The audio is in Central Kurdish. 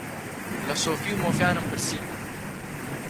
لە سۆفی و مۆفیانم پرسی: